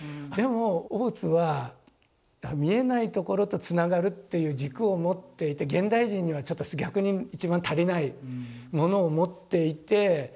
でも大津は見えないところとつながるっていう軸を持っていて現代人にはちょっと逆に一番足りないものを持っていて。